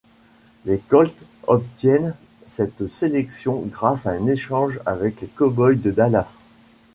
Les Colts obtiennent cette sélection grâce à un échange avec les Cowboys de Dallas.